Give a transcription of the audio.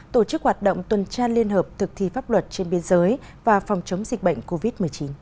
tổ chức hoạt động tuần tra liên hợp thực thi pháp luật trên biên giới và phòng chống dịch bệnh covid một mươi chín